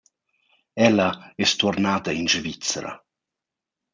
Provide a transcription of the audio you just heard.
Ella es tuornada in Svizra.